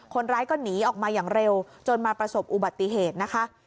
คนร้ายก็หนีออกมาอย่างเร็วจนมาประสบอุบัติเหตุนะคะ